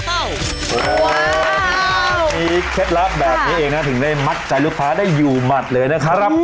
โอ้โหมีเคล็ดลับแบบนี้เองนะถึงได้มัดใจลูกค้าได้อยู่หมัดเลยนะครับ